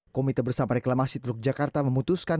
komite bersama reklamasi teluk jakarta memutuskan